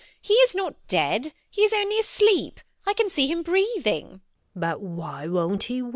he is not dead: he is only asleep. I can see him breathing. GUINNESS. But why won't he wake?